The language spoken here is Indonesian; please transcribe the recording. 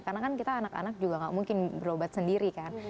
karena kan kita anak anak juga nggak mungkin berobat sendiri kan